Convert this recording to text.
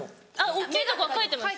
大っきいとこは書いてます